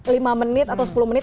lima menit atau sepuluh menit